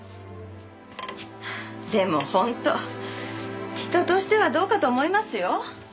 でも本当人としてはどうかと思いますよ。